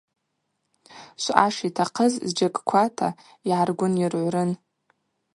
Швъа шитахъыз зджьакӏквата йгӏаргвынйыргӏврын.